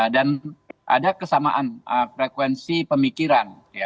dan ada kesamaan frekuensi pemikiran